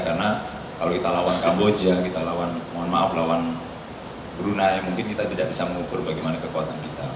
karena kalau kita lawan kamboja kita lawan mohon maaf lawan brunei mungkin kita tidak bisa mengukur bagaimana kekuatan kita